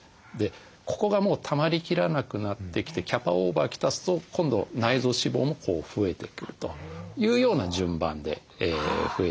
ここがもうたまりきらなくなってきてキャパオーバーきたすと今度内臓脂肪もこう増えてくるというような順番で増えてくる。